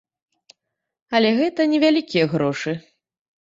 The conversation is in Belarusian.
Але гэта невялікія грошы.